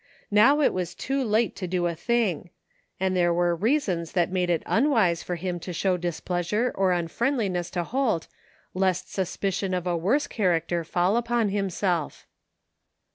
Now it was too late to do a thing; and there were reasons that made it unwise for him to show displeasure or unfriendliness to Holt, lest sus picion of a worse character fall upon Ihimself